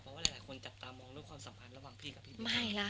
เพราะว่าหลายคนจับตามองด้วยความสัมพันธ์ระหว่างพี่กับพี่ไม่ล่ะ